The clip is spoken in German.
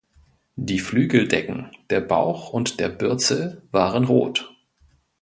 Die Flügeldecken, der Bauch und der Bürzel waren rot.